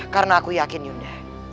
karena aku yakin yunda